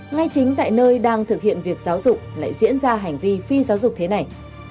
ngay chính tại nơi đang thực hiện việc giáo dục lại diễn ra hành vi phi giáo dục thế này